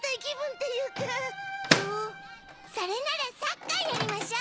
それならサッカーやりましょ！